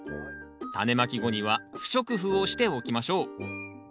タネまき後には不織布をしておきましょう。